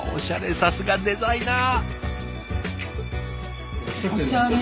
さすがデザイナー！